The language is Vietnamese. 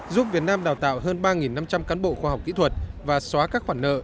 giúp việt nam đào tạo hơn ba năm trăm linh cán bộ khoa học kỹ thuật và xóa các khoản nợ